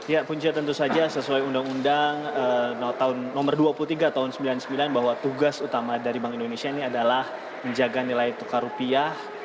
ya punca tentu saja sesuai undang undang nomor dua puluh tiga tahun seribu sembilan ratus sembilan puluh sembilan bahwa tugas utama dari bank indonesia ini adalah menjaga nilai tukar rupiah